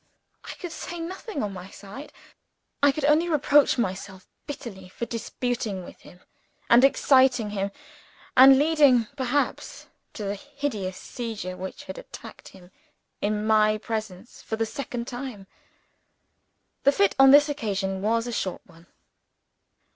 I could say nothing on my side I could only reproach myself bitterly for disputing with him and exciting him, and leading perhaps to the hideous seizure which had attacked him in my presence for the second time. The fit on this occasion was a short one.